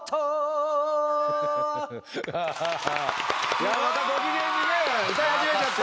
いやまたご機嫌にね歌い始めちゃった。